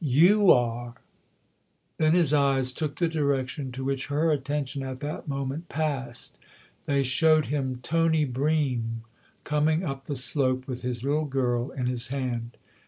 " You are !" Then his eyes took the direction to which her attention at that moment passed : they showed him Tony Bream coming up the slope with his little girl in his hand.